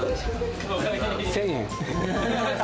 １０００円。